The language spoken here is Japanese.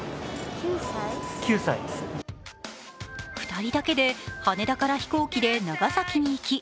２人だけで羽田から飛行機で長崎に行き